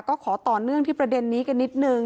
ก็ขอต่อเนื่องที่ประเด็นนี้กันนิดนึง